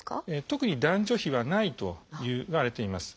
特に男女比はないといわれています。